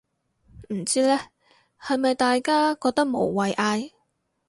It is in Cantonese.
唔知呢，係咪大家覺得無謂嗌